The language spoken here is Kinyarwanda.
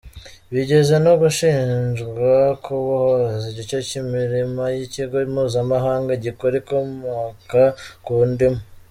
Bigeze no gushinjwa kubohoza igice cy’imirima y’ikigo mpuzamahanga gikora ibikomoka ku ndimu.